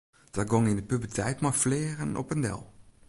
Dat gong yn de puberteit mei fleagen op en del.